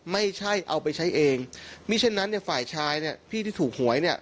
ไม่ใช่เอาไปใช้เองมีเช่นนั้นฝ่ายชายพี่ที่ถูกหวย